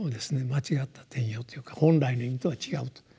間違った転用というか本来の意味とは違うと。